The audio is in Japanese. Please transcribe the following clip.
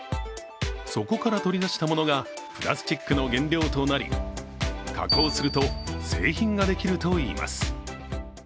そこから取り出したものがプラスチックの原料となり加工すると製品ができるといいます。